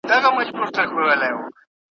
ابۍ اور نه لري تبۍ نه لري `